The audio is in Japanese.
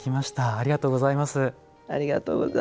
ありがとうございます。